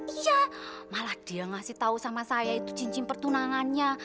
iya malah dia ngasih tahu sama saya itu cincin pertunangannya